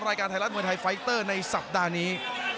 รายการไทยรัฐมวยไทยไฟเตอร์ในสัปดาห์นี้